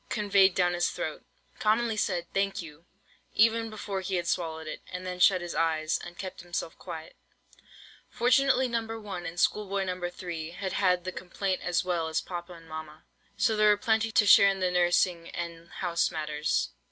conveyed down his throat: commonly said, "Thank you," even before he had swallowed it; and then shut his eyes, and kept himself quiet. Fortunately No. 1, and Schoolboy No. 3, had had the complaint as well as papa and mamma, so there were plenty to share in the nursing and house matters.